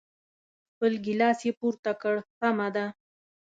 خپل ګیلاس یې پورته کړ، سمه ده.